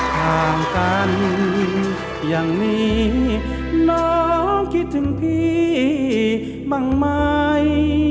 ห่างกันอย่างนี้น้องคิดถึงพี่บ้างไหม